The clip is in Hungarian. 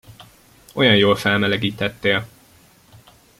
Olyan jól felmelegítettél!